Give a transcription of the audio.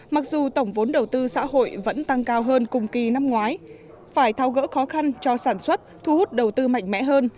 mặc dù tổng vốn đầu tư xã hội vẫn tăng cao hơn cùng kỳ năm ngoái phải tháo gỡ khó khăn cho sản xuất thu hút đầu tư mạnh mẽ hơn